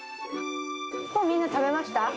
もうみんな食べました？